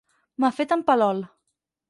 M'ha fet en Palol.